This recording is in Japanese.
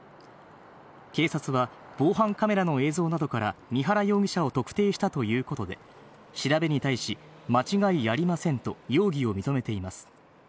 警察は、防犯カメラの映像などから三原容疑者を特定したということで、調べに対し、間違いありませんと容疑を認めています。